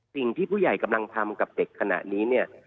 สิ่งที่ผู้ใหญ่กำลังทำกับเด็กขณะนี้เนี่ย